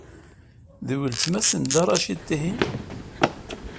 D weltma-s n Dda Racid, tihin?